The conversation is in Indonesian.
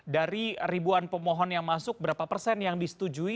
dari ribuan pemohon yang masuk berapa persen yang disetujui